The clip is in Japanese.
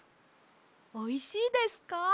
おいしいですか？